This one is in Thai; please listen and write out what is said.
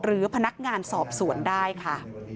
หรือพนักงานสอบสวนได้ค่ะ